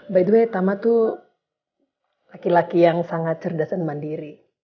by the way tama tuh laki laki yang sangat cerdas dan mandiri